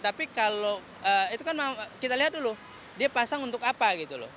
tapi kalau itu kan kita lihat dulu dia pasang untuk apa gitu loh